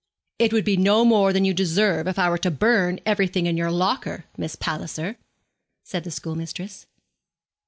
'It would be no more than you deserve if I were to burn everything in your locker, Miss Palliser,' said the schoolmistress.